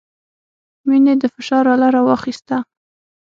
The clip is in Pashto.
مينې د فشار اله راواخيسته.